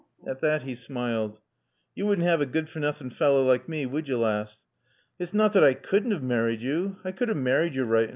At that he smiled. "Yo' wouldn' 'ave a good fer noothin' falla like mae, would yo, laass? Look yo' it's nat that I couldn' 'ave married yo'. I could 'ave married yo' right enoof.